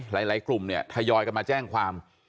หลายกลุ่มเนี่ยทยอยกันมาแจ้งความ